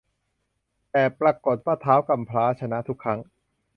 แต่ปรากฏว่าท้าวกำพร้าชนะทุกครั้ง